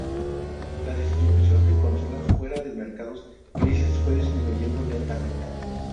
La distribución de consolas fuera de mercados grises fue disminuyendo lentamente.